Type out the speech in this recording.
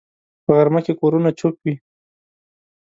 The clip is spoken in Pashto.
په غرمه کې کورونه چوپ وي